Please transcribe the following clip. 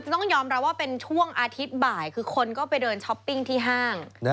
ต้องยอมรับว่าเป็นช่วงอาทิตย์บ่ายคือคนก็ไปเดินช้อปปิ้งที่ห้าง